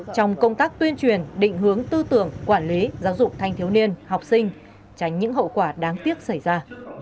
trong công tác tuyên truyền định hướng tư tưởng quản lý giáo dục thanh thiếu niên học sinh tránh những hậu quả đáng tiếc xảy ra